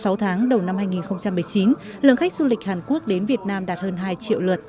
trong sáu tháng đầu năm hai nghìn một mươi chín lượng khách du lịch hàn quốc đến việt nam đạt hơn hai triệu lượt